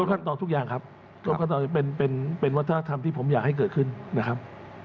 ขั้นตอนทุกอย่างครับเป็นวัฒนธรรมที่ผมอยากให้เกิดขึ้นนะครับ